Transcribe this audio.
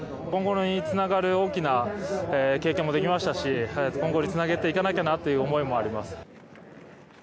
今後につながる大きな経験もできましたし今後につなげていかなきゃなという思いもあります。